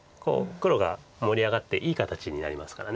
黒が盛り上がっていい形になりますから。